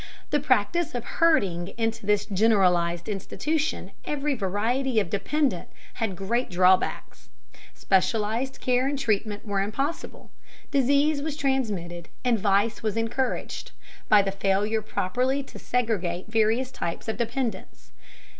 The practice of herding into this generalized institution every variety of dependent had great drawbacks. Specialized care and treatment were impossible. Disease was transmitted, and vice encouraged, by the failure properly to segregate various types of dependents.